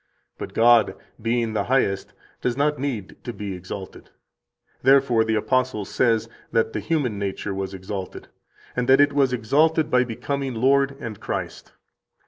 But God, being the Highest, does not need to be exalted. Therefore, the apostle says that the human [nature] was exalted, and that it was exalted by becoming Lord and Christ.